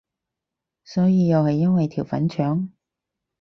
所以又係因為條粉腸？